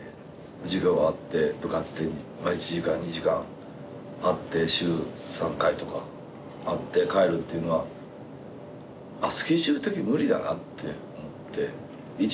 授業あって部活が１時間２時間あって週３回とかあって帰るっていうのはスケジュール的に無理だなって思って。